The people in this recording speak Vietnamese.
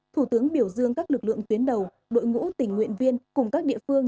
thủ tướng biểu dương các lực lượng tuyến đầu đội ngũ tình nguyện viên cùng các địa phương